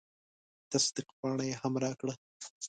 تصدیق پاڼه یې هم راکړه.